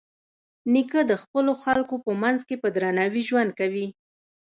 نیکه د خپلو خلکو په منځ کې په درناوي ژوند کوي.